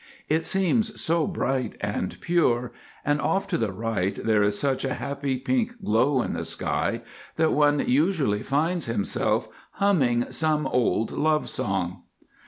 It seems so bright and pure, and off to the right there is such a happy pink glow in the sky, that one usually finds himself humming some old love song.